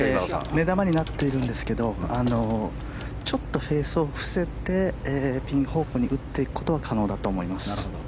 目玉になっているんですけどちょっとフェースを伏せてピン方向に打っていくことは可能だと思います。